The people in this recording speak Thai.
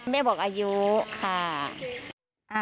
บอกอายุค่ะ